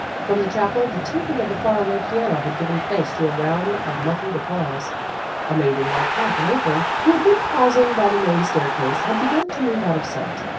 From the chapel the tinkle of a far away piano had given place to a round of muffled applause. A maid in white cap and apron, who had been pausing by the main staircase, had begun to move out of sight.